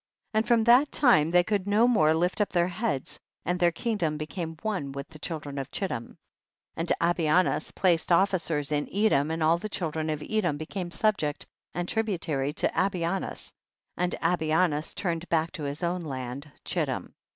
9. And from that time they could no more lift up their heads, and their kingdom became one with the child ren of Chittim. 10. And Abianus placed officers in Edom and all the children of Edom became subject and tributary to Abianus, and Abianus turned back to his own land, Chittim.